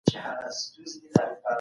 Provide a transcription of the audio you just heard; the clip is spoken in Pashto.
نظمونه مه راته لیکه پر زړه مي نه لګیږي